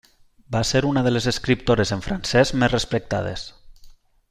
Va ser una de les escriptores en francès més respectades.